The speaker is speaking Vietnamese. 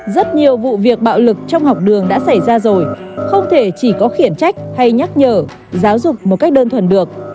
rất nhiều vụ việc bạo lực trong học đường đã xảy ra rồi không thể chỉ có khiển trách hay nhắc nhở giáo dục một cách đơn thuần được